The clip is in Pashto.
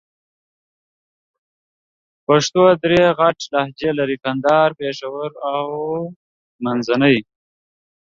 پښتو درې غټ لهجې لرې: کندهارۍ، پېښورۍ او منځني.